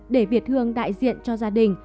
để việt hương đại diện cho gia đình